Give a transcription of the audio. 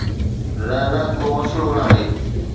نه نه، ڪو مسئلو ناهي